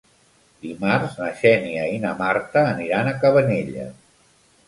Dimarts na Xènia i na Marta aniran a Cabanelles.